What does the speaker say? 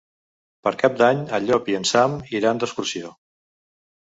Per Cap d'Any en Llop i en Sam iran d'excursió.